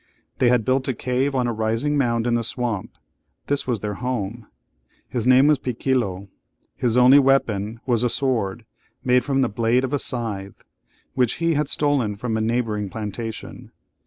They had built a cave on a rising mound in the swamp; this was their home. His name was Picquilo. His only weapon was a sword, made from the blade of a scythe, which he had stolen from a neighbouring plantation.